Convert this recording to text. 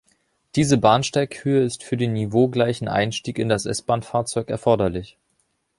Diese Bahnsteighöhe ist für den niveaugleichen Einstieg in das S-Bahnfahrzeug erforderlich.